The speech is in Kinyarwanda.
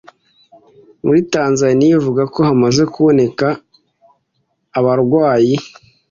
muri Tanzania ivuga ko hamaze kuboneka abarwayi